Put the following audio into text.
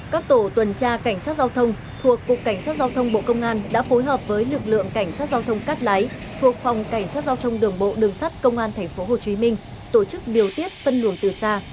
các tổ tuần tra cảnh sát giao thông thuộc cục cảnh sát giao thông bộ công an đã phối hợp với lực lượng cảnh sát giao thông cát lái thuộc phòng cảnh sát giao thông đường bộ đường sát công an tp hcm tổ chức điều tiết phân luồng từ xa